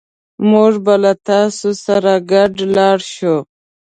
موږ به له تاسو سره ګډ لاړ شو